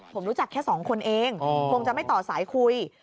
ผมรู้จักแค่สองคนเองคงจะไม่ต่อสายคุย